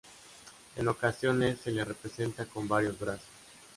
En ocasiones se la representa con varios brazos.